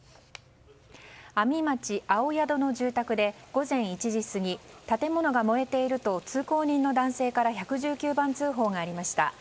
阿見町の住宅で午前１時過ぎ建物が燃えていると通行人の男性から１１９番通報がありました。